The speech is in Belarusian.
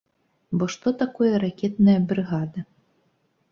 Бо што такое ракетная брыгада?